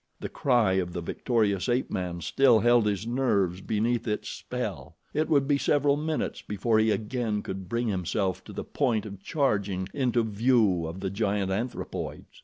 The cry of the victorious ape man still held his nerves beneath its spell. It would be several minutes before he again could bring himself to the point of charging into view of the giant anthropoids.